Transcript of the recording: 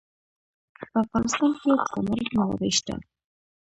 په افغانستان کې د زمرد منابع شته.